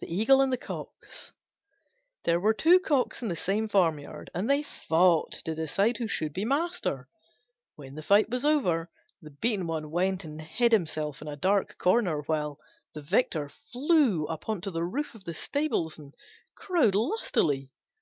THE EAGLE AND THE COCKS There were two Cocks in the same farmyard, and they fought to decide who should be master. When the fight was over, the beaten one went and hid himself in a dark corner; while the victor flew up on to the roof of the stables and crowed lustily.